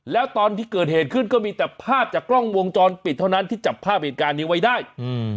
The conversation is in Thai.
แล้วตอนที่เกิดเหตุขึ้นก็มีแต่ภาพจากกล้องวงจรปิดเท่านั้นที่จับภาพเหตุการณ์นี้ไว้ได้อืม